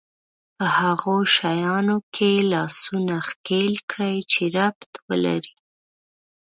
په هغو شيانو کې لاسونه ښکېل کړي چې ربط ولري.